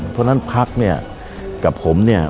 เพราะฉะนั้นภักร์กับผม